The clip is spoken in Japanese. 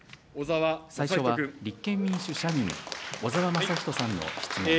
最初は立憲民主・社民、小沢雅仁さんの質問です。